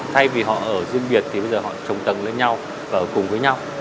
thay vì họ ở riêng biệt thì bây giờ họ trồng tầng lên nhau và ở cùng với nhau